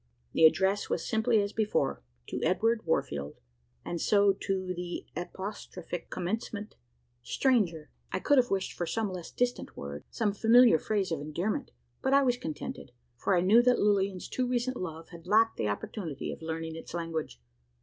The address was simply as before: "To Edward Warfield;" and so to the apostrophic commencement: "Stranger!" I could have wished for some less distant word some familiar phrase of endearment, but I was contented for I knew that Lilian's too recent love had lacked the opportunity of learning its language.